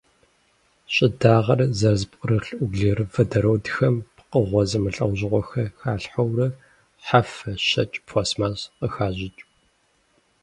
Щӏыдагъэр зэрызэпкърылъ углеводородхэм пкъыгъуэ зэмылӏэужьыгъуэхэр халъхьэурэ хьэфэ, щэкӏ, пластмасс къыхащӏыкӏ.